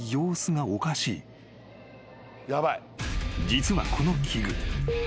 ［実はこの器具］